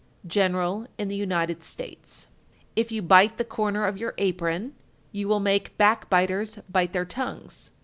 General in the United States. 1342. If you bite the corner of your apron, you will make back biters bite their tongues.